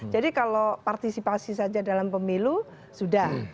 jadi kalau partisipasi saja dalam pemilu sudah